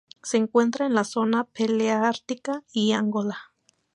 Se encuentra en la zona paleártica y Angola.